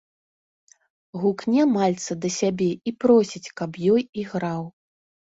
Гукне мальца да сябе і просіць, каб ёй іграў.